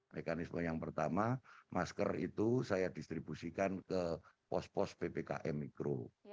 mekanisme yang pertama masker itu saya distribusikan ke pos pos ppkm mikro